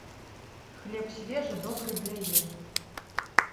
Хлеб свежы добры для ежы.